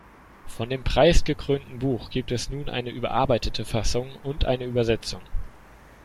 Von dem preisgekrönten Buch gibt es nun eine überarbeitete Fassung und eine Übersetzung.